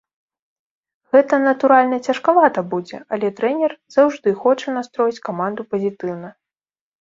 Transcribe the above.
Гэта, натуральна, цяжкавата будзе, але трэнер заўжды хоча настроіць каманду пазітыўна.